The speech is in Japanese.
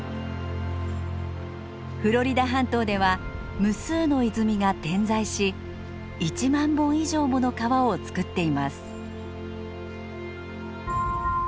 フロリダ半島では無数の泉が点在し１万本以上もの川をつくっています。